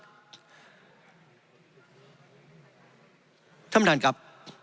ท่านประธานครับ